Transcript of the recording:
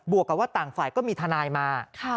วกกับว่าต่างฝ่ายก็มีทนายมา